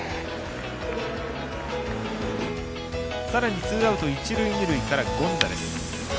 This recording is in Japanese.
さらにツーアウト、一塁、二塁からゴンザレス。